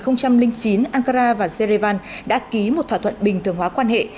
năm hai nghìn chín ankara và zerevan đã ký một thỏa thuận bình thường hóa quan hệ